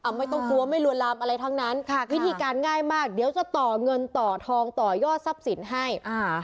ไม่ต้องกลัวไม่ลวนลามอะไรทั้งนั้นค่ะวิธีการง่ายมากเดี๋ยวจะต่อเงินต่อทองต่อยอดทรัพย์สินให้อ่า